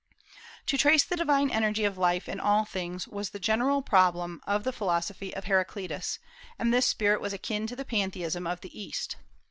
To trace the divine energy of life in all things was the general problem of the philosophy of Heraclitus, and this spirit was akin to the pantheism of the East.